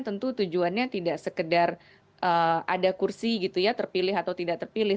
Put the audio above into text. tentu tujuannya tidak sekedar ada kursi gitu ya terpilih atau tidak terpilih